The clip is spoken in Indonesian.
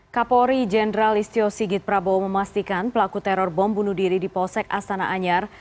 kapolri jenderal istio sigit prabowo memastikan pelaku teror bom bunuh diri di polsek astana anyar